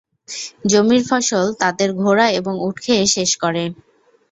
জমির ফসল, তাদের ঘোড়া এবং উট খেয়ে শেষ করে।